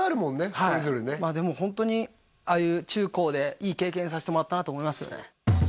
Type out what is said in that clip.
それぞれねまあでもホントにああいう中高でいい経験させてもらったなと思いますよね